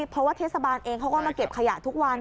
เพราะว่าเทศบาลเองเขาก็มาเก็บขยะทุกวัน